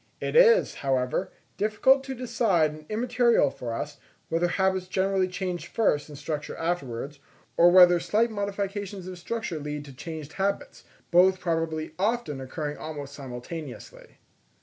It is, however, difficult to decide and immaterial for us, whether habits generally change first and structure afterwards; or whether slight modifications of structure lead to changed habits; both probably often occurring almost simultaneously.